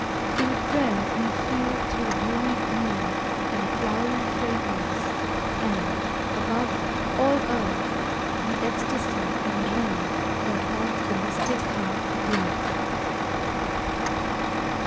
In prayer, we feel through dewy gleam And flowery fragrance, and above All Earth the ecstasy and dream That haunt the mystic heart of love.